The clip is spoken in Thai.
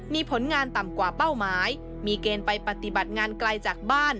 มีผลงานต่ำกว่าเป้าหมายมีเกณฑ์ไปปฏิบัติงานไกลจากบ้าน